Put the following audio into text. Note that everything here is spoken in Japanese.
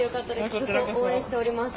ずっと応援しております。